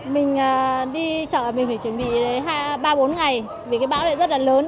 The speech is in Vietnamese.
mình đi chợ mình phải chuẩn bị ba bốn ngày vì cái bão này rất là lớn